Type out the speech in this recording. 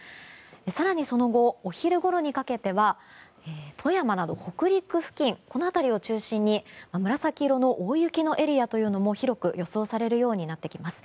更にその後、お昼ごろにかけては富山など北陸付近を中心に紫色の大雪のエリアも広く予想されるようになってきます。